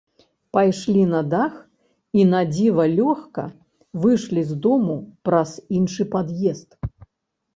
Пайшлі на дах і надзіва лёгка выйшлі з дому праз іншы пад'езд.